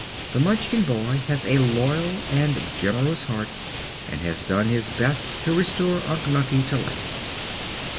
The Munchkin boy has a loyal and generous heart and has done his best to restore Unc Nunkie to life.